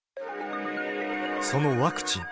そのワクチン。